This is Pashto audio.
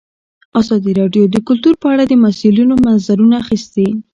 ازادي راډیو د کلتور په اړه د مسؤلینو نظرونه اخیستي.